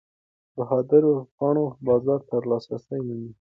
د بهادرو پاڼو بازار ته لاسرسی ومومئ.